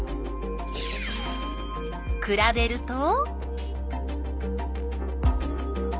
くらべると？